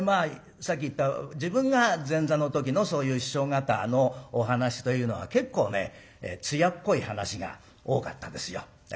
さっき言った自分が前座の時のそういう師匠方のお話というのは結構ね艶っぽい話が多かったですよ。